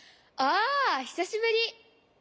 ああひさしぶり！